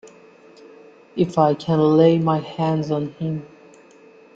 If I can lay my hands on him!